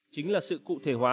chính là sự cụ thể hóa